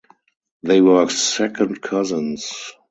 They were second cousins.